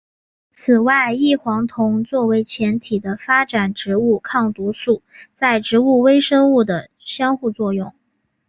此外异黄酮作为前体的发展植物抗毒素在植物微生物的相互作用。